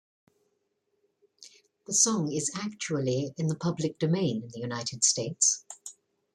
The song is actually in the public domain in the United States.